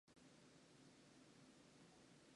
宮城県塩竈市